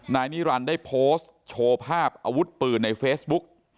นายนิรันดิ์ได้โพสต์โชว์ภาพอาวุธปืนในเฟซบุ๊ก